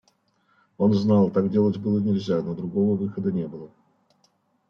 Он знал – так делать было нельзя, но другого выхода не было.